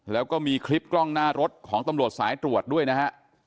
แล้วก็มีคลิปกล้องหน้ารถของตำรวจสายตรวจด้วยนะฮะ